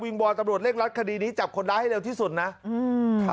วิงบอนตำโบรสเลกลัดคดีนี้จับคนร้ายให้เร็วที่สุดน่ะอืม